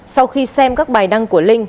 sau khi xem các bài đăng của linh